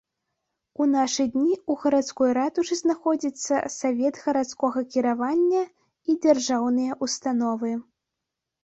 У нашы дні ў гарадской ратушы знаходзіцца савет гарадскога кіравання і дзяржаўныя ўстановы.